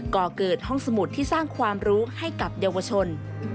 ก่อเกิดห้องสมุดที่สร้างความรู้ให้กับเยาวชน